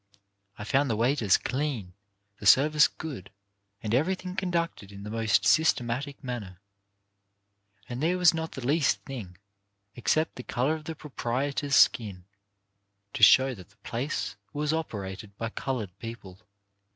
I found the waiters clean, the service good, and everything conducted in the most systematic manner. And there was not the least thing, except the colour of the pro prietor's skin, to show that the place was operated by coloured people.